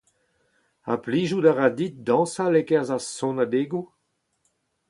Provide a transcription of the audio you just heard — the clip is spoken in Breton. Ha plijout a ra dit dañsal e-kerzh ar sonadegoù ?